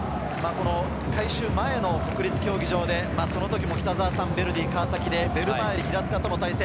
改修前の国立競技場で、その時も北澤さん、ヴェルディ川崎でベルマーレ平塚との対戦。